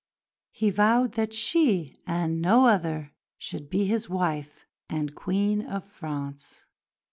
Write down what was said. He vowed that she and no other should be his wife and Queen of France.